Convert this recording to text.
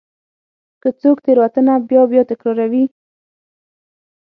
که څوک تېروتنه بیا بیا تکراروي.